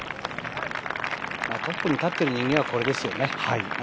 トップに立ってる人間はこれですよね。